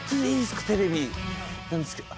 テレビなんですけど。